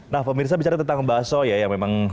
nah pemirsa bicara tentang bakso ya yang memang